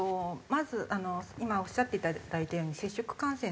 まず今おっしゃっていただいたように接触感染